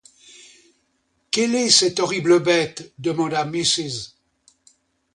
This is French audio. Quelle est cette horrible bête? demanda Mrs.